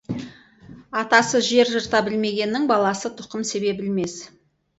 Атасы жер жырта білмегеннің, баласы тұқым себе білмес.